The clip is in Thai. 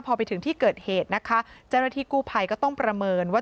พอไปถึงที่เกิดเหตุนะคะเจ้าหน้าที่กู้ภัยก็ต้องประเมินว่า